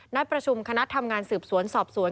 ประชุมคณะทำงานสืบสวนสอบสวน